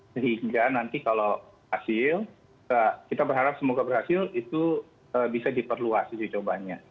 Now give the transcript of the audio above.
sehingga nanti kalau hasil kita berharap semoga berhasil itu bisa diperluas uji cobanya